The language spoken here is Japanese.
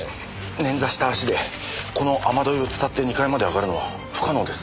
捻挫した足でこの雨樋をつたって２階まで上がるのは不可能です。